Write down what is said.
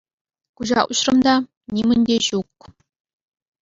Куҫа уҫрӑм та — нимӗн те ҫук.